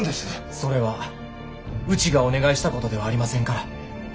それはうちがお願いしたことではありませんから。